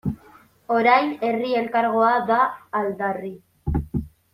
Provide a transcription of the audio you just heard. Orain Herri Elkargoa da aldarri.